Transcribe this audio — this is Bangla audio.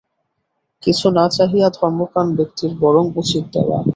কিছু না চাহিয়া ধর্মপ্রাণ ব্যক্তির বরং উচিত দেওয়া।